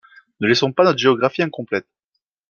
Ne laissons pas notre géographie incomplète.